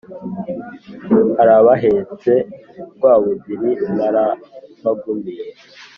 Arabahetse Rwabugiri narabagumiye